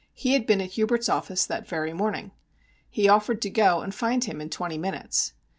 He had been at Hubert's office that very morning. He offered to go and find him in twenty minutes.